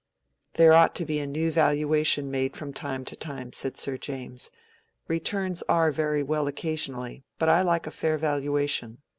"There ought to be a new valuation made from time to time," said Sir James. "Returns are very well occasionally, but I like a fair valuation.